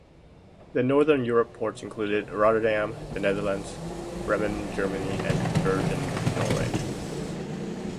The Northern European ports included, Rotterdam The Netherlands, Bremen Germany and Bergen Norway.